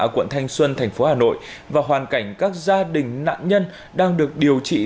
quận thanh xuân thành phố hà nội và hoàn cảnh các gia đình nạn nhân đang được điều trị